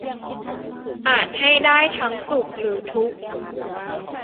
อาจให้ได้ทั้งสุขหรือทุกข์